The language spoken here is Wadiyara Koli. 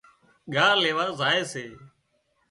ڳاه ليوا زائي سي